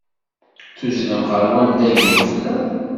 Tuzzlem ɣer wannag n ufella.